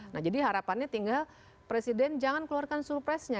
nah jadi harapannya tinggal presiden jangan keluarkan surprise nya